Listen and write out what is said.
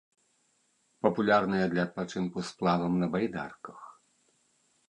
Папулярная для адпачынку сплавам на байдарках.